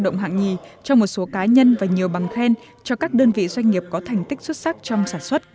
động hạng hai cho một số cá nhân và nhiều bằng khen cho các đơn vị doanh nghiệp có thành tích xuất sắc trong sản xuất